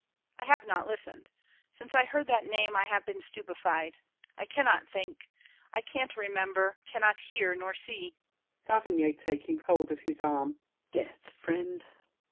I have not listened. Since I heard that name I have been stupefied. I cannot think: I can't remember, cannot hear nor see! SAVERNY (taking hold of his arm). Death, friend!